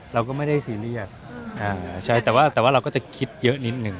เราก็ไม่ได้อ่าใช่แต่ว่าแต่ว่าเราก็จะคิดเยอะนิดหนึ่ง